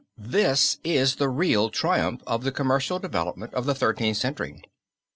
This is the real triumph of the commercial development of the Thirteenth Century.